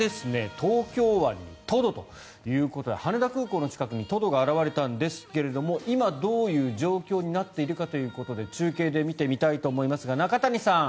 東京湾にトドということで羽田空港の近くにトドが現れたんですが今、どういう状況になっているかということで中継で見てみたいと思いますが中谷さん。